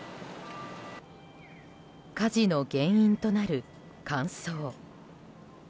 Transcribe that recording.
火事の原因となる乾燥。